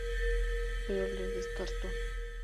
Pero lo descartó.